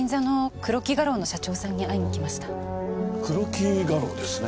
黒木画廊ですね？